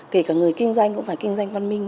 kể cả người kinh doanh cũng phải kinh doanh văn minh